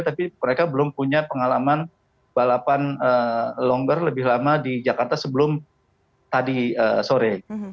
tapi mereka belum punya pengalaman balapan longer lebih lama di jakarta sebelum tadi sore